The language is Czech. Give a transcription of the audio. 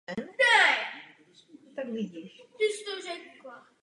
Hudební nadání se projevilo již v raném věku.